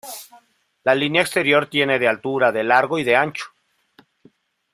La línea exterior tiene de altura, de largo y de ancho.